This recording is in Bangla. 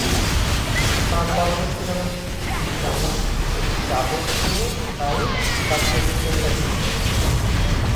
তাঁর পরনে ছিল না জামা, একটা চাদর ছিল গায়ে, তার পরিধেয়তা জীর্ণ।